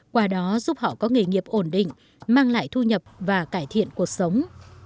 qua đó giúp họ có nghề nghiệp ổn định mang lại thu nhập và cải thiện cuộc sống